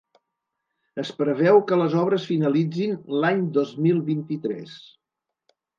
Es preveu que les obres finalitzin l’any dos mil vint-i-tres.